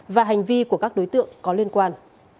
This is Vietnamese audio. và hành vi của các đối tượng có liên quan